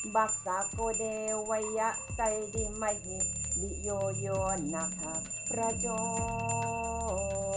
บัจสะโโดเดวไว้ใสต์ไดมอย่ายีุโยยนภพพระโจร